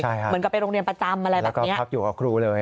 เหมือนกับไปโรงเรียนประจำอะไรแบบนี้พักอยู่กับครูเลย